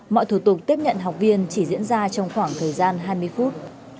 mọi thủ tục tiếp nhận học viên chỉ diễn ra trong khoảng thời gian hai mươi phút